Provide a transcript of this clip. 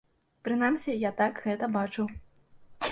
Прынамсі я так гэта бачу.